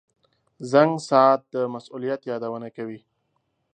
• زنګ ساعت د مسؤلیت یادونه کوي.